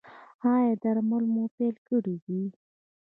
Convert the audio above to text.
ایا درمل مو پیل کړي دي؟